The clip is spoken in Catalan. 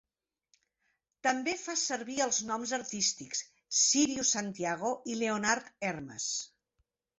També fa servir els noms artístics: Cirio Santiago i Leonard Hermes.